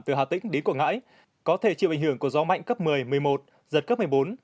từ hà tĩnh đến quảng ngãi có thể chịu ảnh hưởng của gió mạnh cấp một mươi một mươi một giật cấp một mươi bốn